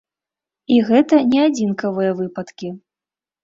І гэта не адзінкавыя выпадкі.